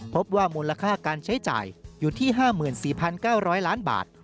พบว่ามูลค่าการใช้จ่ายอยู่ที่๕๔๙๐๐ล้านบาท